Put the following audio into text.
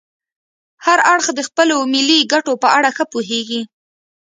هر اړخ د خپلو ملي ګټو په اړه ښه پوهیږي